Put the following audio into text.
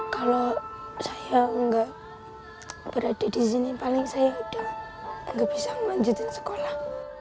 kalau saya nggak berada di sini paling saya udah gak bisa melanjutkan sekolah